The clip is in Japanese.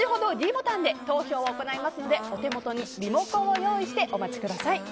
ｄボタンで投票を行いますのでお手元にリモコンを用意してお待ちください。